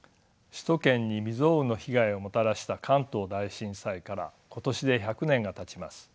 首都圏に未曽有の被害をもたらした関東大震災から今年で１００年がたちます。